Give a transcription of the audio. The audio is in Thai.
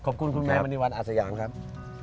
ขอบคุณคุณแมนมันนิวันอาสยามครับ